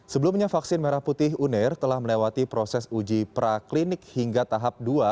sebelumnya vaksin merah putih uner telah melewati proses uji praklinik hingga tahap dua